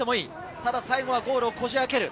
ただ最後、ゴールをこじ開ける。